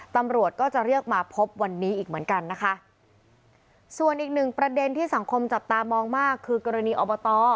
ตำรวจก็จะเรียกมาพบวันนี้อีกเหมือนกันนะคะส่วนอีกหนึ่งประเด็นที่สังคมจับตามองมากคือกรณีอบต